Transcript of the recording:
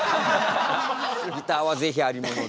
ギターは是非ありもので。